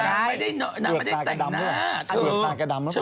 นางไม่ได้นางไม่ได้แตกหน้า